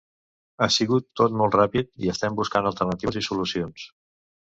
Ha sigut tot molt ràpid i estem buscant alternatives i solucions.